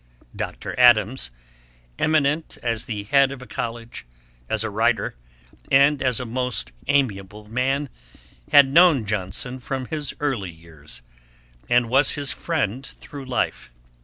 Dr. Adams, eminent as the Head of a College, as a writer, and as a most amiable man, had known Johnson from his early years, and was his friend through life.